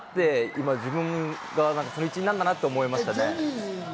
今、自分がその一員なんだなと思いました。